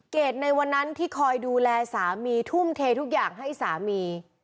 ในวันนั้นที่คอยดูแลสามีทุ่มเททุกอย่างให้สามี